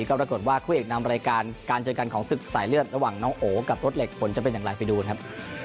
ก็ปรากฏว่าคู่เอกนำรายการการเจอกันของศึกสายเลือดระหว่างน้องโอกับรถเหล็กผลจะเป็นอย่างไรไปดูกันครับ